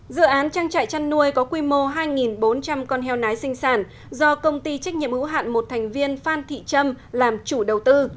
dự án trang trại chăn nuôi có quy mô hai bốn trăm linh con heo nái sinh sản do công ty trách nhiệm hữu hạn một thành viên phan thị trâm làm chủ đầu tư